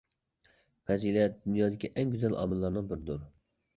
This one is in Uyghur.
پەزىلەت دۇنيادىكى ئەڭ گۈزەل ئامىللارنىڭ بىرىدۇر.